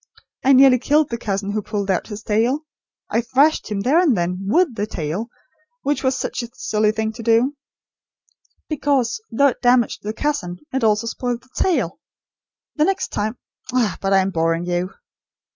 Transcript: I nearly killed the cousin who pulled out his tail. I thrashed him, then and there, WITH the tail; which was such a silly thing to do; because, though it damaged the cousin, it also spoiled the tail. The next time ah, but I am boring you!"